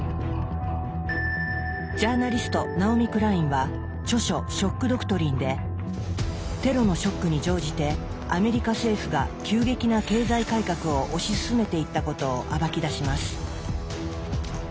ジャーナリストナオミ・クラインは著書「ショック・ドクトリン」でテロのショックに乗じてアメリカ政府が急激な経済改革を推し進めていったことを暴き出します。